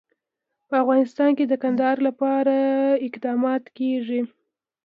په افغانستان کې د کندهار لپاره اقدامات کېږي.